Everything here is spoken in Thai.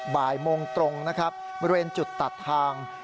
บ่ายโมงตรงนะครับบริเวณจุดตัดทาง